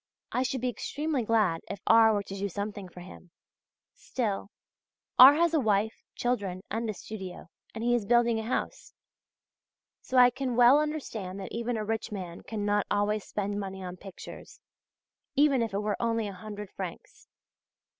I should be extremely glad if R. were to do something for him; still R. has a wife, children, and a studio, and he is building a house; so I can well understand that even a rich man cannot always spend money on pictures, even if it were only a hundred francs.